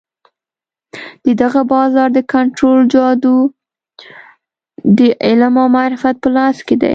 د دغه بازار د کنترول جادو د علم او معرفت په لاس کې دی.